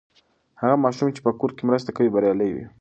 هغه ماشوم چې په کور کې مرسته کوي، بریالی وي.